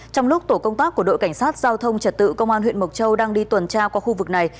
trong lúc tổ công tác của đội cảnh sát giao thông trật tự công an huyện mộc châu đang đi tuần tra qua khu vực này